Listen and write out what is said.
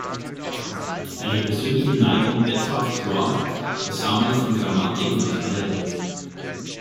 Eine persönliche Neigung Edzards war das Sammeln von Grammatiken aus aller Welt.